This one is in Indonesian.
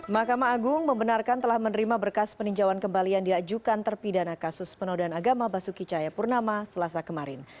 mahkamah agung membenarkan telah menerima berkas peninjauan kembalian diakjukan terpidana kasus penodaan agama basuki cahaya purnama selasa kemarin